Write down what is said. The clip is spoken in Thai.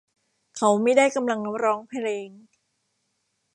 เขาไม่ได้กำลังร้องเพลง